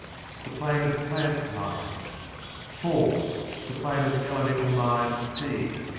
The Plane of Plant Mind 4. The Plane of Elemental Mind (B) 5.